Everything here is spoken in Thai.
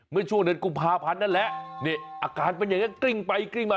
เมื่อช่วงเดือนกุมภาพันธ์นั่นแหละนี่อาการเป็นอย่างนั้นกริ้งไปกลิ้งมา